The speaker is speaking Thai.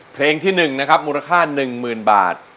เพลงที่๑นะครับมูลค่า๑๐๐๐บาท